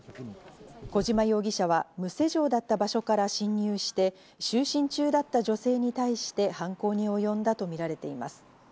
小島容疑者は無施錠だった場所から侵入して、就寝中だった女性に対して犯行におよんだとみられています。